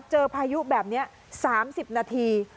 พายุแบบนี้๓๐นาที